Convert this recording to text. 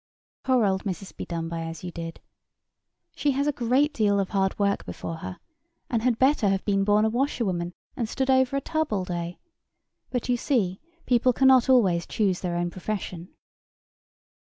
Poor old Mrs. Bedonebyasyoudid! she has a great deal of hard work before her, and had better have been born a washerwoman, and stood over a tub all day: but, you see, people cannot always choose their own profession.